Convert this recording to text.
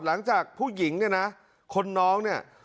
หลังจากผู้หญิงเนี่ยนะคนน้องเนี่ย